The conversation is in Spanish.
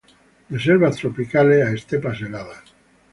De selvas tropicales a estepas heladas.